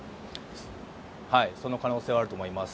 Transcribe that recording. その可能性はあると思います。